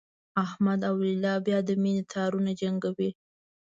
احمد او لیلا بیا د مینې تارونه جنګوي.